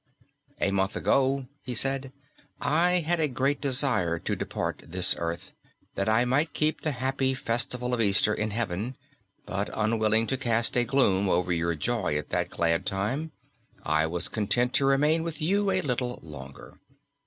"A month ago," he said, "I had a great desire to depart from this earth, that I might keep the happy festival of Easter in heaven; but, unwilling to cast a gloom over your joy at that glad time, I was content to remain with you a little longer.